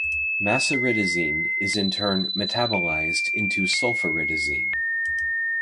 Mesoridazine is in turn metabolized into sulforidazine.